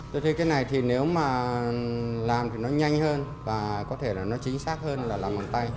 tôi thấy cái này thì nếu mà làm thì nó nhanh hơn và có thể là nó chính xác hơn là làm bằng tay